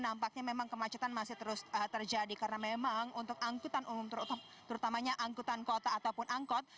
nampaknya memang kemacetan masih terus terjadi karena memang untuk angkutan umum terutamanya angkutan kota ataupun angkot